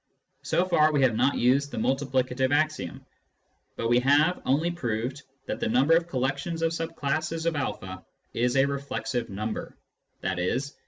So far we have not used the multiplica tive axiom, but we have only proved that the number of collec tions of sub classes of a is a reflexive number, i.e.